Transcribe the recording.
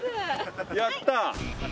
やった。